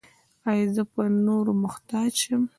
ایا زه به د نورو محتاج شم؟